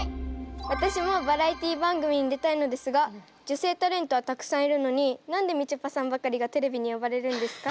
私もバラエティー番組に出たいのですが女性タレントはたくさんいるのに何でみちょぱさんばかりがテレビに呼ばれるんですか？